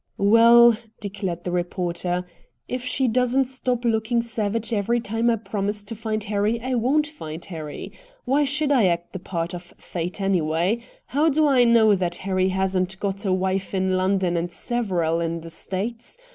"Well," declared the reporter, "if she doesn't stop looking savage every time I promise to find Harry I won't find Harry. Why should I act the part of Fate, anyway? How do I know that Harry hasn't got a wife in London and several in the States?